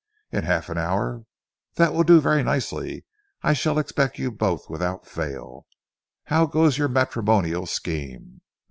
In half an hour? That will do very nicely. I shall expect you both without fail. How goes your matrimonial scheme?...